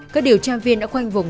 các điều tra viên đã khoanh vùng